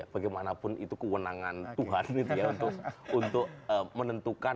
bagaimanapun itu kewenangan tuhan untuk menentukan